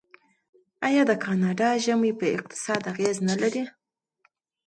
آیا د کاناډا ژمی په اقتصاد اغیز نلري؟